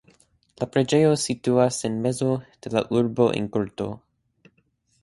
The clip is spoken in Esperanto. La preĝejo situas en mezo de la urbo en korto.